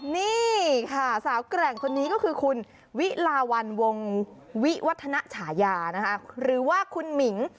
นี่ค่ะสาวแกร่งคนนี้ก็คือคุณวิลาวันวงวิวัฒนฉายานะคะหรือว่าคุณหมิง